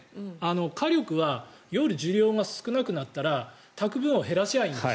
火力は夜、需要が少なくなったらたく分を減らせばいいんです。